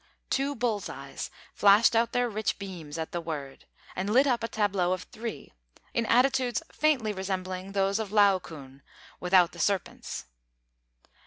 Two bull's eyes flashed out their rich beams at the word, and lit up a tableau of three, in attitudes faintly resembling those of the Laocoon, without the serpents.